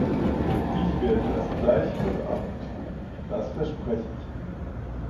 Ich werde das gleich heute abend tun, das verspreche ich Ihnen.